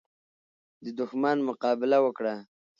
د دښمن مقابله وکړه.